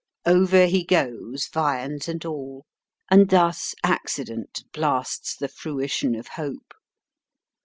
Over he goes, viands and all, and thus accident blasts the fruition of hope.